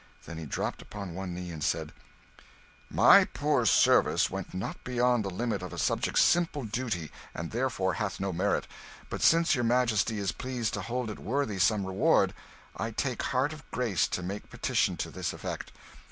Then he dropped upon one knee and said "My poor service went not beyond the limit of a subject's simple duty, and therefore hath no merit; but since your Majesty is pleased to hold it worthy some reward, I take heart of grace to make petition to this effect.